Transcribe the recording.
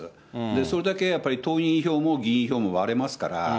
それだけやっぱり党員票も議員票も割れますから。